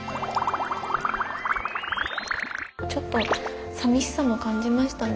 ちょっと寂しさも感じましたね。